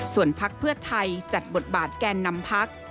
ส่วนภักดิ์เพื่อไทยจัดบทบาทแก่นำภักดิ์